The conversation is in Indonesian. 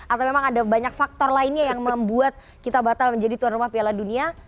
atau memang ada banyak faktor lainnya yang membuat kita batal menjadi tuan rumah piala dunia